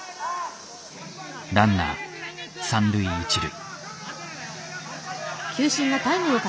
ランナー三塁一塁。